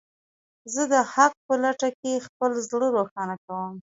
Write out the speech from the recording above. زه د حق په لټه کې خپل زړه روښانه کوم.